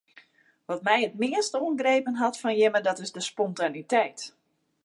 Wat my it meast oangrepen hat fan jimme dat is de spontaniteit.